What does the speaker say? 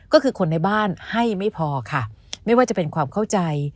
ก็คือคนในบ้านให้ไม่พอค่ะไม่ว่าจะเป็นความเข้าใจ